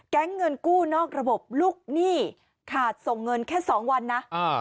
เงินกู้นอกระบบลูกหนี้ขาดส่งเงินแค่สองวันนะ